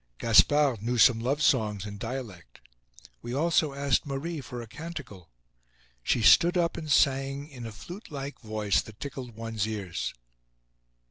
Gaspard knew some love songs in dialect. We also asked Marie for a canticle. She stood up and sang in a flute like voice that tickled one's ears.